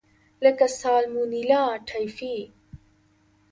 لکه سالمونیلا ټایفي.